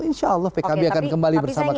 insya allah pkb akan kembali bersama kami